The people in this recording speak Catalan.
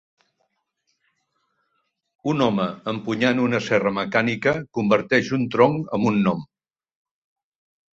Un home empunyant una serra mecànica converteix un tronc en un gnom.